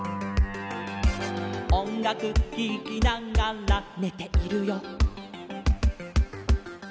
「おんがくききながらねているよ」